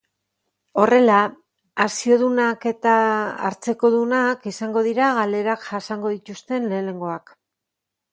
Horrela, akziodunak eta hartzekodunak izango dira galerak jasango dituzten lehenengoak.